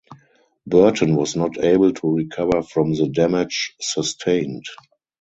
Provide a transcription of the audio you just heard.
Burton was not able to recover from the damage sustained.